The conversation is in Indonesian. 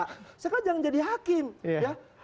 saya kira jangan jadi hakim ya